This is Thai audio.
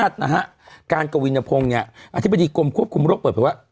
อธิบดีกรมควบคุมโรคเปิดไปว่า